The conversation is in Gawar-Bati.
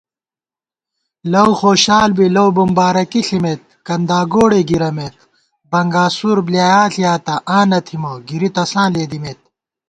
لؤخوشال بی لؤ بُمبارَکی ݪِمېت کنداگوڑےگِرَمېت * بنگاسُور بۡلیایا ݪِیاتہ آں نہ تھِمہ گرِی تساں لېدِمېت